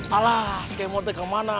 alas kemauan itu kemana